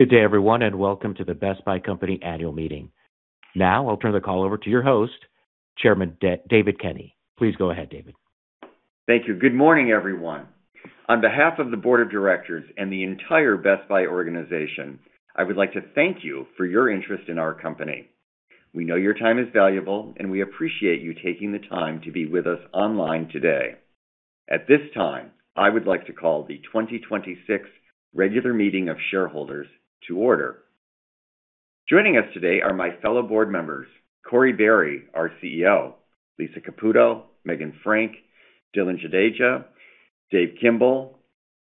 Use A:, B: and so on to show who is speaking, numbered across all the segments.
A: Good day everyone, welcome to the Best Buy Company Annual Meeting. I'll turn the call over to your host, Chairman David Kenny. Please go ahead, David.
B: Thank you. Good morning, everyone. On behalf of the board of directors and the entire Best Buy organization, I would like to thank you for your interest in our company. We know your time is valuable, we appreciate you taking the time to be with us online today. At this time, I would like to call the 2026 regular meeting of shareholders to order. Joining us today are my fellow board members, Corie Barry, our CEO, Lisa Caputo, Meghan Frank, Dylan Jadeja, Dave Kimbell,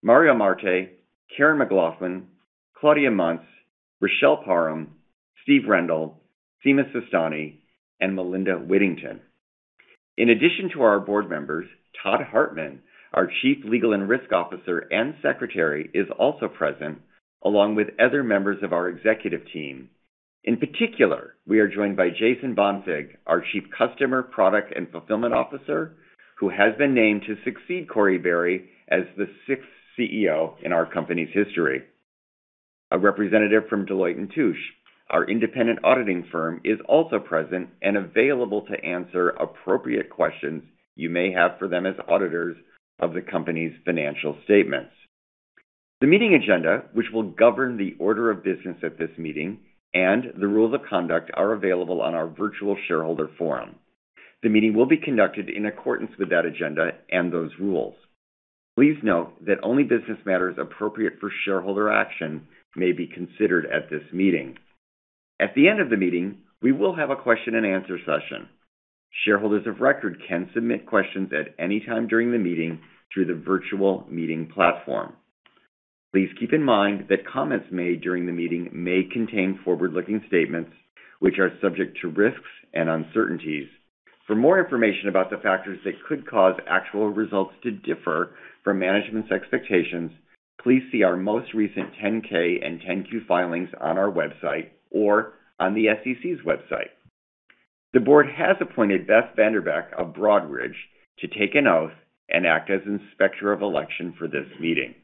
B: Mario Marte, Karen McLoughlin, Claudia Munce, Richelle Parham, Steve Rendle,, and Melinda Whittington. In addition to our board members, Todd Hartman, our Chief Legal and Risk Officer and Secretary, is also present, along with other members of our executive team. In particular, we are joined by Jason Bonfig, our Chief Customer, Product and Fulfillment Officer, who has been named to succeed Corie Barry as the sixth CEO in our company's history. A representative from Deloitte & Touche LLP, our independent auditing firm, is also present and available to answer appropriate questions you may have for them as auditors of the company's financial statements. The meeting agenda, which will govern the order of business at this meeting, the rules of conduct are available on our virtual shareholder forum. The meeting will be conducted in accordance with that agenda and those rules. Please note that only business matters appropriate for shareholder action may be considered at this meeting. At the end of the meeting, we will have a question and answer session. Shareholders of record can submit questions at any time during the meeting through the virtual meeting platform. Please keep in mind that comments made during the meeting may contain forward-looking statements, which are subject to risks and uncertainties. For more information about the factors that could cause actual results to differ from management's expectations, please see our most recent 10-K and 10-Q filings on our website or on the SEC's website. The board has appointed Beth VanDerbeck of Broadridge to take an oath and act as Inspector of Election for this meeting.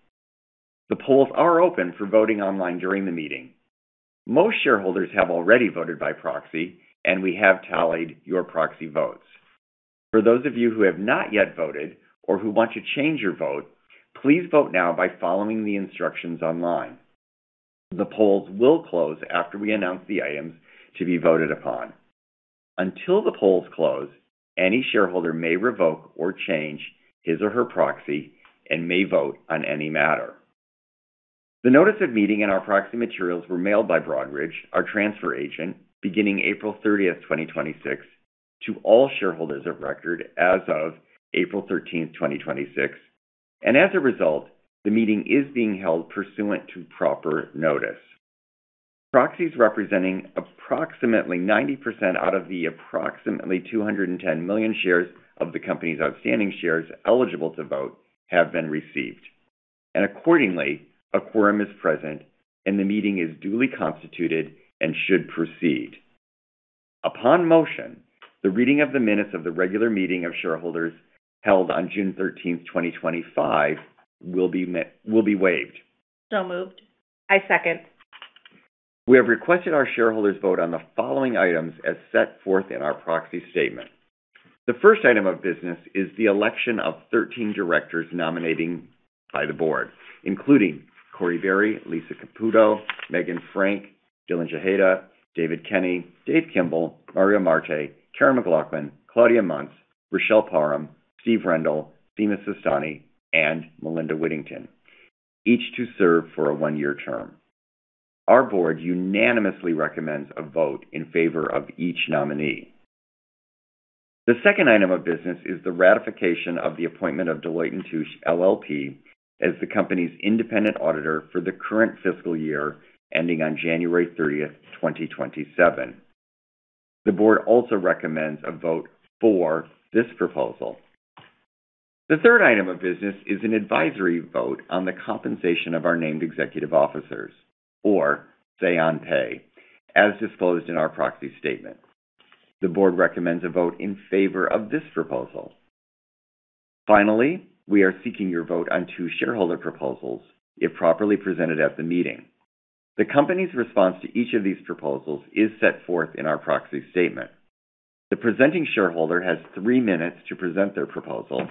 B: The polls are open for voting online during the meeting. Most shareholders have already voted by proxy, we have tallied your proxy votes. For those of you who have not yet voted or who want to change your vote, please vote now by following the instructions online. The polls will close after we announce the items to be voted upon. Until the polls close, any shareholder may revoke or change his or her proxy and may vote on any matter. The notice of meeting and our proxy materials were mailed by Broadridge, our transfer agent, beginning April 30th, 2026, to all shareholders of record as of April 13th, 2026, and as a result, the meeting is being held pursuant to proper notice. Proxies representing approximately 90% out of the approximately 210 million shares of the company's outstanding shares eligible to vote have been received. Accordingly, a quorum is present, and the meeting is duly constituted and should proceed. Upon motion, the reading of the minutes of the regular meeting of shareholders held on June 13th, 2025, will be waived.
C: So moved. I second.
B: We have requested our shareholders vote on the following items as set forth in our proxy statement. The first item of business is the election of 13 directors nominating by the board, including Corie Barry, Lisa Caputo, Meghan Frank, Dylan Jadeja, David Kenny, Dave Kimbell, Mario Marte, Karen McLoughlin, Claudia Munce, Richelle Parham, Steve Rendle, Sima Sistani, and Melinda Whittington, each to serve for a one-year term. Our board unanimously recommends a vote in favor of each nominee. The second item of business is the ratification of the appointment of Deloitte & Touche LLP as the company's independent auditor for the current fiscal year ending on January 30th, 2027. The board also recommends a vote for this proposal. The third item of business is an advisory vote on the compensation of our named executive officers or say on pay as disclosed in our proxy statement. The board recommends a vote in favor of this proposal. We are seeking your vote on two shareholder proposals if properly presented at the meeting. The company's response to each of these proposals is set forth in our proxy statement. The presenting shareholder has 3 minutes to present their proposal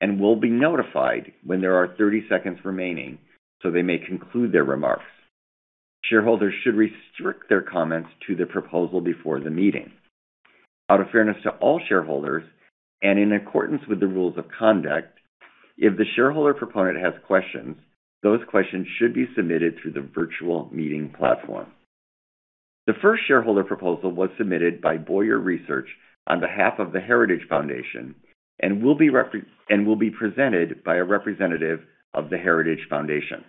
B: and will be notified when there are 30 seconds remaining so they may conclude their remarks. Shareholders should restrict their comments to the proposal before the meeting. Out of fairness to all shareholders, and in accordance with the rules of conduct, if the shareholder proponent has questions, those questions should be submitted through the virtual meeting platform. The first shareholder proposal was submitted by Bowyer Research on behalf of The Heritage Foundation and will be presented by a representative of The Heritage Foundation.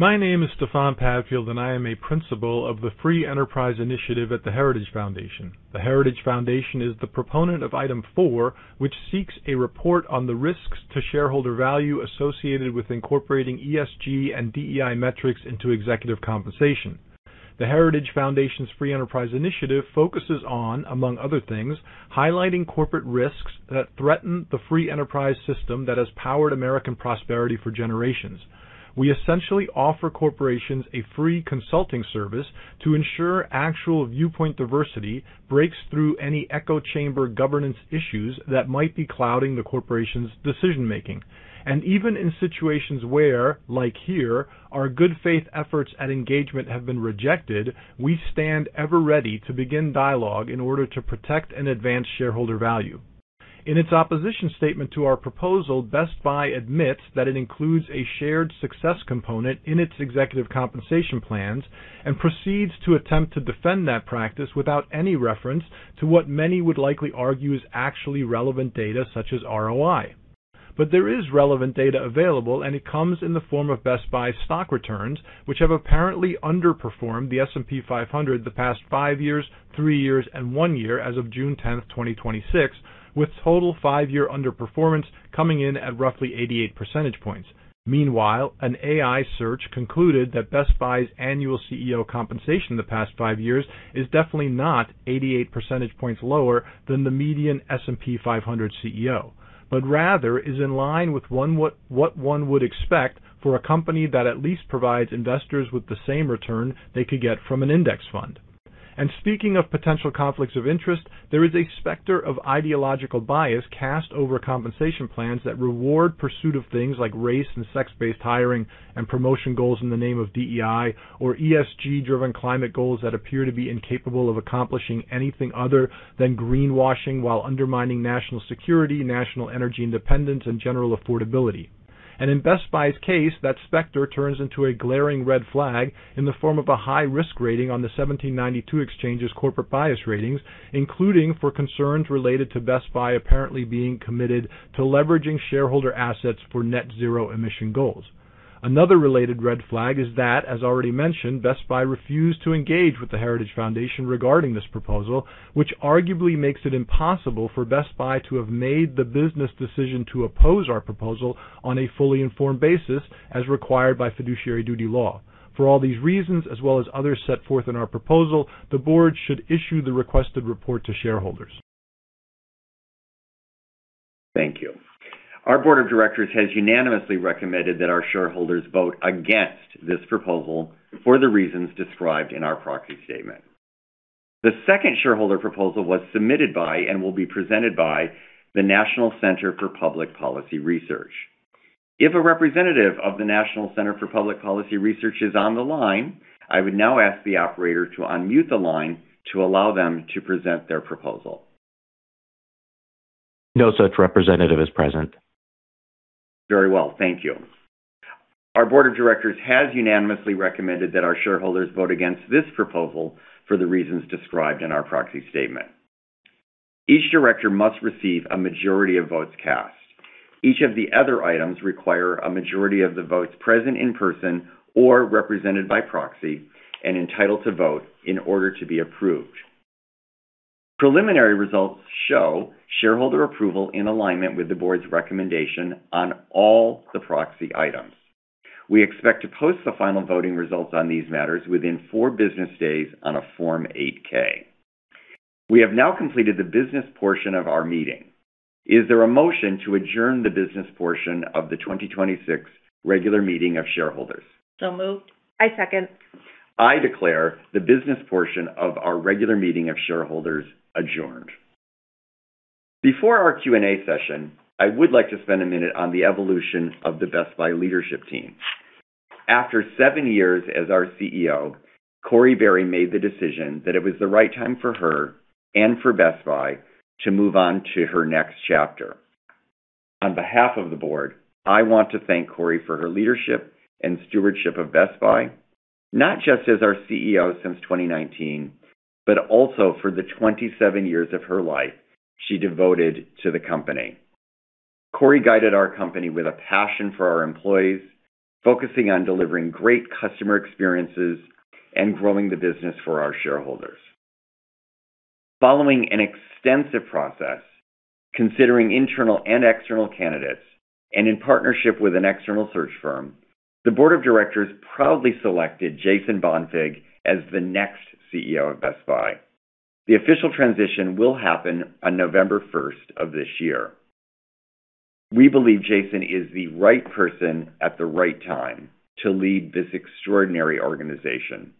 D: My name is Stefan Padfield, I am a Principal of the Free Enterprise Initiative at The Heritage Foundation. The Heritage Foundation is the proponent of item four, which seeks a report on the risks to shareholder value associated with incorporating ESG and DEI metrics into executive compensation. The Heritage Foundation's Free Enterprise Initiative focuses on, among other things, highlighting corporate risks that threaten the free enterprise system that has powered American prosperity for generations. We essentially offer corporations a free consulting service to ensure actual viewpoint diversity breaks through any echo chamber governance issues that might be clouding the corporation's decision-making. Even in situations where, like here, our good faith efforts at engagement have been rejected, we stand ever ready to begin dialogue in order to protect and advance shareholder value. In its opposition statement to our proposal, Best Buy admits that it includes a shared success component in its executive compensation plans and proceeds to attempt to defend that practice without any reference to what many would likely argue is actually relevant data, such as ROI. There is relevant data available, it comes in the form of Best Buy stock returns, which have apparently underperformed the S&P 500 the past five years, three years, and one year as of June 10th, 2026, with total five-year underperformance coming in at roughly 88 percentage points. Meanwhile, an AI search concluded that Best Buy's annual CEO compensation the past five years is definitely not 88 percentage points lower than the median S&P 500 CEO, rather is in line with what one would expect for a company that at least provides investors with the same return they could get from an index fund. Speaking of potential conflicts of interest, there is a specter of ideological bias cast over compensation plans that reward pursuit of things like race and sex-based hiring and promotion goals in the name of DEI or ESG-driven climate goals that appear to be incapable of accomplishing anything other than greenwashing while undermining national security, national energy independence, and general affordability. In Best Buy's case, that specter turns into a glaring red flag in the form of a high-risk rating on the 1792 Exchange's corporate bias ratings, including for concerns related to Best Buy apparently being committed to leveraging shareholder assets for net zero emission goals. Another related red flag is that, as already mentioned, Best Buy refused to engage with The Heritage Foundation regarding this proposal, which arguably makes it impossible for Best Buy to have made the business decision to oppose our proposal on a fully informed basis, as required by fiduciary duty law. For all these reasons, as well as others set forth in our proposal, the board should issue the requested report to shareholders.
B: Thank you. Our board of directors has unanimously recommended that our shareholders vote against this proposal for the reasons described in our proxy statement. The second shareholder proposal was submitted by and will be presented by the National Center for Public Policy Research. If a representative of the National Center for Public Policy Research is on the line, I would now ask the operator to unmute the line to allow them to present their proposal.
A: No such representative is present.
B: Very well. Thank you. Our board of directors has unanimously recommended that our shareholders vote against this proposal for the reasons described in our proxy statement. Each director must receive a majority of votes cast. Each of the other items require a majority of the votes present in person or represented by proxy and entitled to vote in order to be approved. Preliminary results show shareholder approval in alignment with the board's recommendation on all the proxy items. We expect to post the final voting results on these matters within four business days on a Form 8-K. We have now completed the business portion of our meeting. Is there a motion to adjourn the business portion of the 2026 regular meeting of shareholders?
C: So Moved. I second.
B: I declare the business portion of our regular meeting of shareholders adjourned. Before our Q&A session, I would like to spend a minute on the evolution of the Best Buy leadership team. After seven years as our CEO, Corie Barry made the decision that it was the right time for her and for Best Buy to move on to her next chapter. On behalf of the board, I want to thank Corie for her leadership and stewardship of Best Buy, not just as our CEO since 2019, but also for the 27 years of her life she devoted to the company. Corie guided our company with a passion for our employees, focusing on delivering great customer experiences and growing the business for our shareholders. Following an extensive process considering internal and external candidates and in partnership with an external search firm, the board of directors proudly selected Jason Bonfig as the next CEO of Best Buy. The official transition will happen on November 1st of this year. We believe Jason is the right person at the right time to lead this extraordinary organization.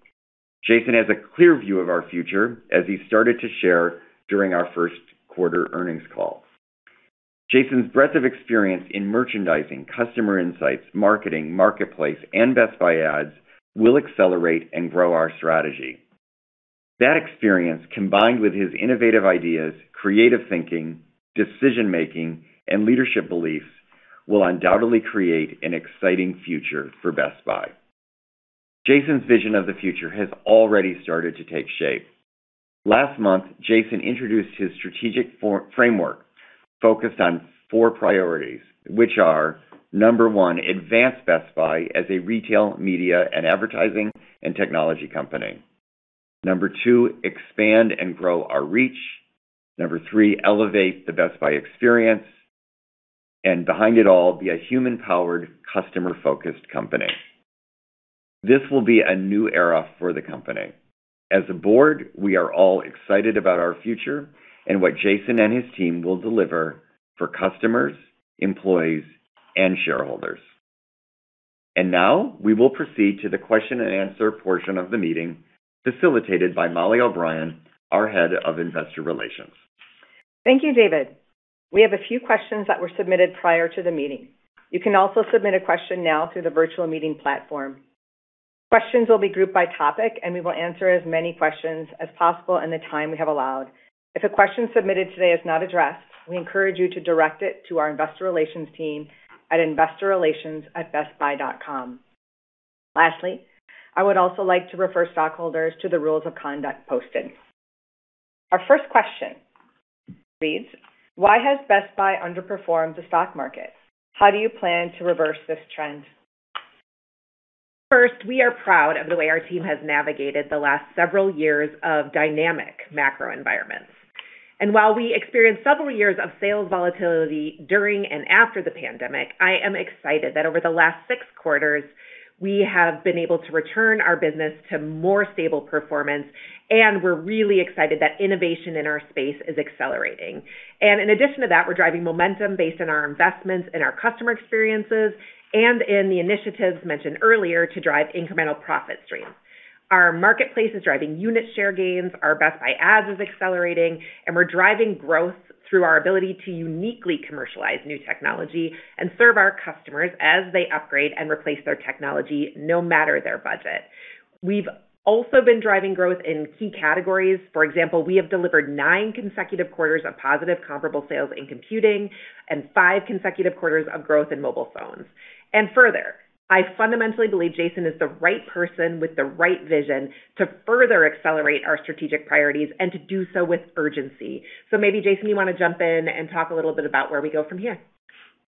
B: Jason has a clear view of our future as he started to share during our first quarter earnings call. Jason's breadth of experience in merchandising, customer insights, marketing, marketplace, and Best Buy Ads will accelerate and grow our strategy. That experience, combined with his innovative ideas, creative thinking, decision-making, and leadership beliefs, will undoubtedly create an exciting future for Best Buy. Jason's vision of the future has already started to take shape. Last month, Jason introduced his strategic framework focused on four priorities, which are, number one, advance Best Buy as a retail media and advertising and technology company. Number two, expand and grow our reach. Number three, elevate the Best Buy experience. Behind it all, be a human-powered, customer-focused company. This will be a new era for the company. As a board, we are all excited about our future and what Jason and his team will deliver for customers, employees, and shareholders. Now we will proceed to the question and answer portion of the meeting, facilitated by Mollie O'Brien, our Head of Investor Relations.
E: Thank you, David. We have a few questions that were submitted prior to the meeting. You can also submit a question now through the virtual meeting platform. Questions will be grouped by topic, and we will answer as many questions as possible in the time we have allowed. If a question submitted today is not addressed, we encourage you to direct it to our investor relations team at investorrelations@bestbuy.com. Lastly, I would also like to refer stockholders to the rules of conduct posted. Our first question reads, "Why has Best Buy underperformed the stock market? How do you plan to reverse this trend?
F: First, we are proud of the way our team has navigated the last several years of dynamic macro environments. While we experienced several years of sales volatility during and after the pandemic, I am excited that over the last six quarters, we have been able to return our business to more stable performance, we're really excited that innovation in our space is accelerating. In addition to that, we're driving momentum based on our investments in our customer experiences and in the initiatives mentioned earlier to drive incremental profit streams. Our marketplace is driving unit share gains, our Best Buy Ads is accelerating, we're driving growth through our ability to uniquely commercialize new technology and serve our customers as they upgrade and replace their technology, no matter their budget. We've also been driving growth in key categories. For example, we have delivered nine consecutive quarters of positive comparable sales in computing and five consecutive quarters of growth in mobile phones. Further, I fundamentally believe Jason is the right person with the right vision to further accelerate our strategic priorities and to do so with urgency. Maybe, Jason, you want to jump in and talk a little bit about where we go from here.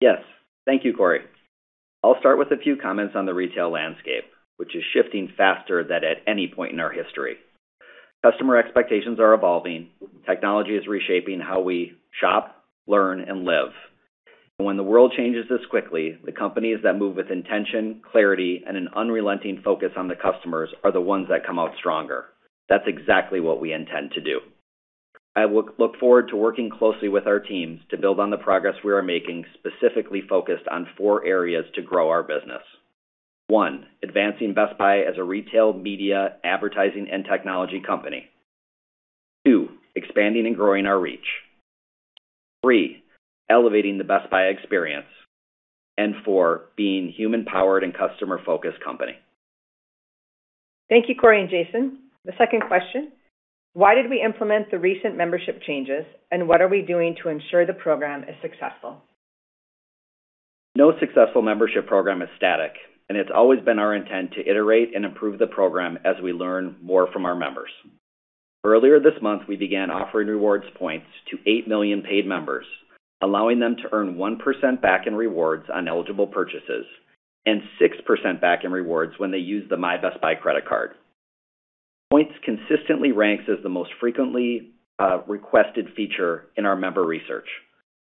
G: Yes. Thank you, Corie. I'll start with a few comments on the retail landscape, which is shifting faster than at any point in our history. Customer expectations are evolving. Technology is reshaping how we shop, learn, and live. When the world changes this quickly, the companies that move with intention, clarity, and an unrelenting focus on the customers are the ones that come out stronger. That's exactly what we intend to do. I look forward to working closely with our teams to build on the progress we are making, specifically focused on four areas to grow our business. One, advancing Best Buy as a retail, media, advertising, and technology company. Two, expanding and growing our reach. Three, elevating the Best Buy experience. Four, being human-powered and Customer-focused company.
E: Thank you, Corie and Jason. The second question, why did we implement the recent membership changes, what are we doing to ensure the program is successful?
G: No successful membership program is static, it's always been our intent to iterate and improve the program as we learn more from our members. Earlier this month, we began offering rewards points to 8 million paid members, allowing them to earn 1% back in rewards on eligible purchases and 6% back in rewards when they use the My Best Buy credit card. Points consistently ranks as the most frequently requested feature in our member research.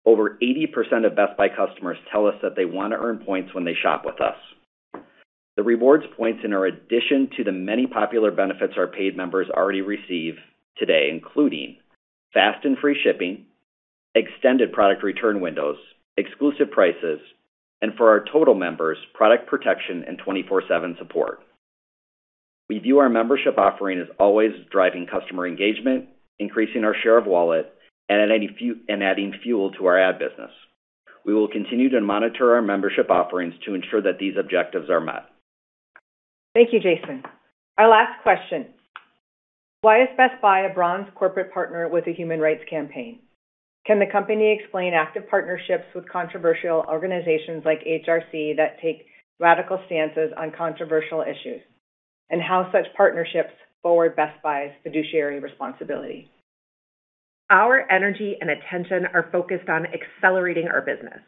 G: Over 80% of Best Buy customers tell us that they want to earn points when they shop with us. The rewards points are in addition to the many popular benefits our paid members already receive today, including fast and free shipping, extended product return windows, exclusive prices, and for our Total members, product protection and 24/7 support. We view our membership offering as always driving customer engagement, increasing our share of wallet, and adding fuel to our ad business. We will continue to monitor our membership offerings to ensure that these objectives are met.
E: Thank you, Jason. Our last question, why is Best Buy a bronze corporate partner with the Human Rights Campaign? Can the company explain active partnerships with controversial organizations like HRC that take radical stances on controversial issues, and how such partnerships forward Best Buy's fiduciary responsibility?
F: Our energy and attention are focused on accelerating our business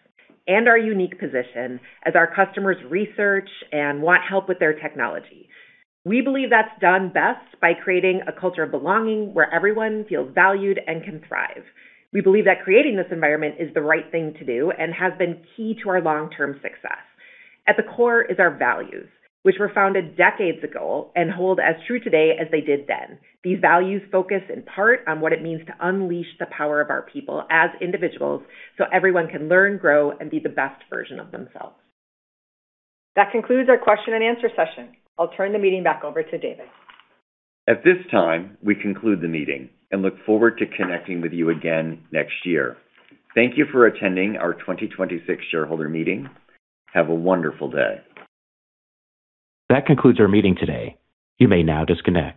F: and our unique position as our customers research and want help with their technology. We believe that's done best by creating a culture of belonging where everyone feels valued and can thrive. We believe that creating this environment is the right thing to do and has been key to our long-term success. At the core is our values, which were founded decades ago and hold as true today as they did then. These values focus in part on what it means to unleash the power of our people as individuals so everyone can learn, grow, and be the best version of themselves.
E: That concludes our question and answer session. I'll turn the meeting back over to David.
B: At this time, we conclude the meeting and look forward to connecting with you again next year. Thank you for attending our 2026 shareholder meeting. Have a wonderful day.
A: That concludes our meeting today. You may now disconnect.